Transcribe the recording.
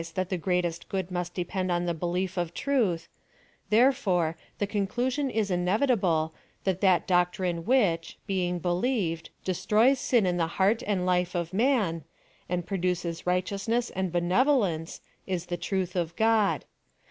155 that tlie greatest good must depend on the heiief of truth; therefore, the conchision is inevitable, tliai that doctrhie which, being believed, destroys sin in the heart and hfe of man, and produces righteous ness and henevoleuce, is tlie truth of God.